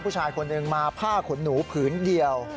ผู้ชายคนหนึ่งมาผ้าขนหนูผืนเดียว